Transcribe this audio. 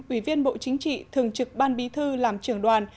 ủy viên bộ chính trị thường trực ban bí thư làm trưởng đoàn